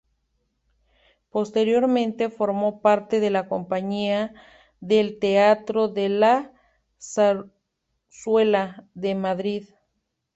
Posteriormente formó parte de la Compañía del Teatro de la Zarzuela de Madrid.